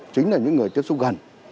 chính là những người tiếp xúc gần